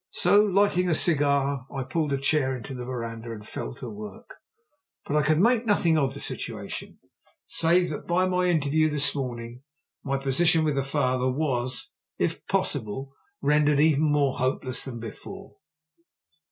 So lighting a cigar, I pulled a chair into the verandah and fell to work. But I could make nothing of the situation, save that, by my interview this morning, my position with the father was, if possible, rendered even more hopeless than before.